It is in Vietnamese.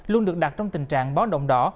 luôn được đặt trong tình trạng bó động đỏ